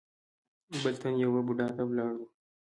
بل تن يوه بوډا ته ولاړ و.